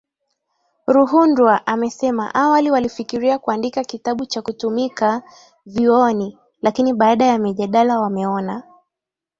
Ruhundwa amesema awali walifikiria kuandika kitabu cha kutumika vyuoni lakini baada ya mijadala wameona